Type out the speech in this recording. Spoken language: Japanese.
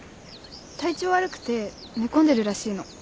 体調悪くて寝込んでるらしいの。